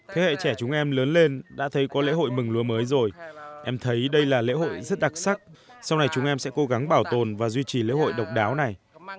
thế hệ trẻ chúng em lớn lên đã thấy có lễ hội mừng lúa mới rồi em thấy đây là lễ hội rất đặc sắc sau này chúng em sẽ cố gắng bảo tồn và duy trì lễ hội độc đáo này